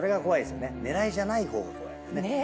狙いじゃない方が怖い。